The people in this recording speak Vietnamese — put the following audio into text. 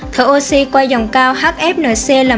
thở oxy qua dòng cao hfnc là một ba trăm một mươi